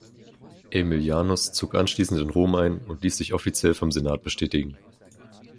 Aemilianus zog anschließend in Rom ein und ließ sich offiziell vom Senat bestätigen.